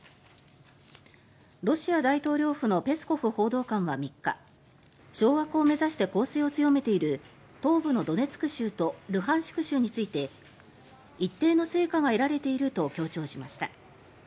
ロシア大統領府のペスコフ報道官は３日掌握を目指して攻勢を強めている東部のドネツク州とルハンシク州について一定の成果が得られていると強調しました。